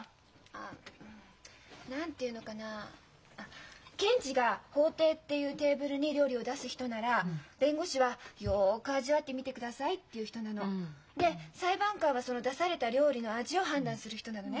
あ何て言うのかなあっ検事が法廷っていうテーブルに料理を出す人なら弁護士は「よく味わってみてください」って言う人なの。で裁判官はその出された料理の味を判断する人なのね。